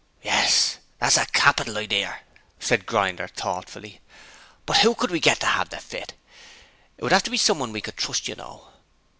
'Yes, that's a capital idear,' said Grinder thoughtfully. 'But who could we get to 'ave the fit? It would 'ave to be someone we could trust, you know.'